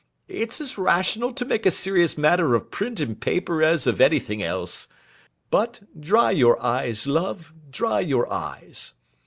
It's as rational to make a serious matter of print and paper as of anything else. But, dry your eyes, love, dry your eyes.